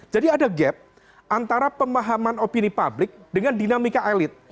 jadi ada gap antara pemahaman opini publik dengan dinamika elit